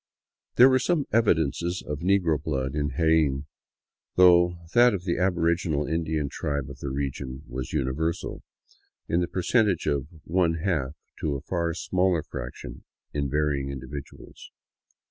There were some evidences of negro blood in Jaen, though that of the aboriginal Indian tribe of the region was universal, in the percent age of one half to a far smaller fraction in varying individuals.